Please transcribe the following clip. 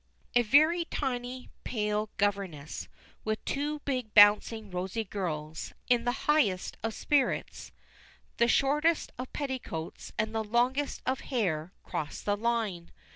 A very tiny pale governess, with two big bouncing rosy girls, in the highest of spirits, the shortest of petticoats and the longest of hair, cross the line.